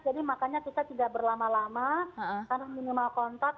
jadi makanya kita tidak berlama lama karena minimal kontak